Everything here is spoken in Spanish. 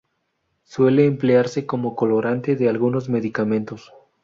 Suele emplearse como colorante de algunos medicamentos.